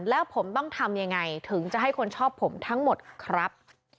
แล้วผมต้องทำยังไงถึงจะให้คนชอบผมทั้งหมดครับ